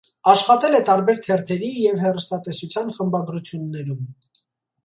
Աշխատել է տարբեր թերթերի և հեռուստատեսության խմբագրություններում։